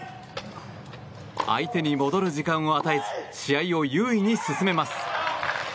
相手に戻る時間を与えず試合を優位に進めます。